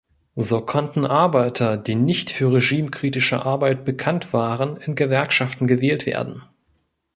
So konnten Arbeiter, die nicht für regimekritische Arbeit bekannt waren, in Gewerkschaften gewählt werden.